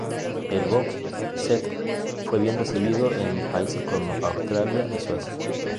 El box set fue bien recibido en países como Australia y Suecia.